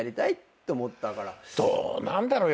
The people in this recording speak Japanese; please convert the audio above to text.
どうなんだろう。